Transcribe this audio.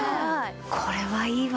これはいいわ。